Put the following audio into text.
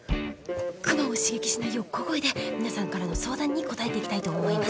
クマを刺激しないよう小声で皆さんからの相談に答えていきたいと思います。